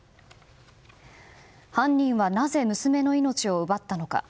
犯人はなぜ娘の命を奪ったのか。